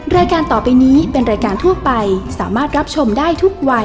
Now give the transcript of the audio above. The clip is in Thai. รายการต่อไปนี้เป็นรายการทั่วไปสามารถรับชมได้ทุกวัย